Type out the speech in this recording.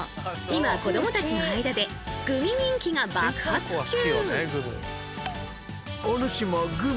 今子どもたちの間でグミ人気が爆発中！